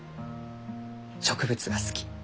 植物が好き。